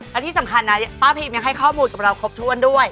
และที่สำคัญนะป้าพิมยังให้ข้อมูลกับเราครบถ้วนด้วย